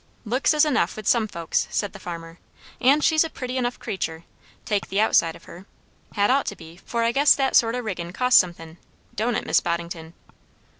"Looks is enough, with some folks," said the farmer; "and she's a pretty enough creatur', take the outside of her. Had ought to be; for I guess that sort o' riggin' costs somethin' don't it, Mis' Boddington?"